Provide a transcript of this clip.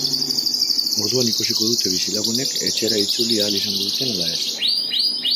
Orduan ikusiko dute bizilagunek etxera itzuli ahal izango duten ala ez.